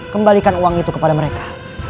kembalikan uang itu kepada mereka